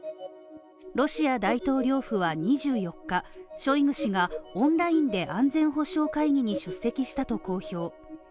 ロシア大統領府は２４日、ショイグ氏がオンラインで安全保障会議に出席したと公表。